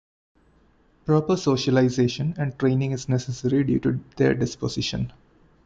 Proper socialization and training is necessary due to their disposition.